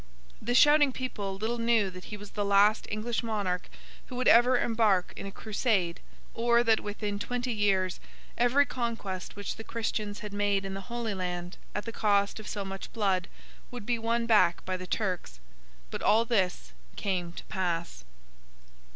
The shouting people little knew that he was the last English monarch who would ever embark in a crusade, or that within twenty years every conquest which the Christians had made in the Holy Land at the cost of so much blood, would be won back by the Turks. But all this came to pass.